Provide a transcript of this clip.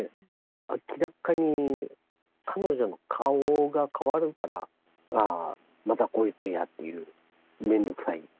明らかに彼女の顔が変わるから、あー、またこいつやっていう、めんどくさい。